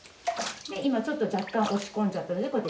今ちょっと若干押し込んじゃったので。